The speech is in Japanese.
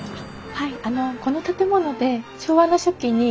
はい。